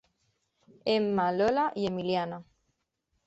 Emma, Lola i Emiliana.